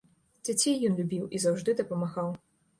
Дзяцей ён любіў і заўжды дапамагаў.